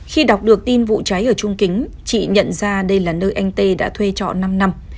khi đọc được tin vụ cháy ở trung kính chị nhận ra đây là nơi anh tê đã thuê trọ năm năm